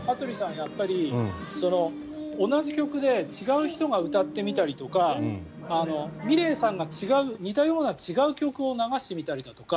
やっぱり、同じ曲で違う人が歌ってみたりとかｍｉｌｅｔさんの似たような違う曲を流してみたりだとか